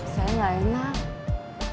saya gak enak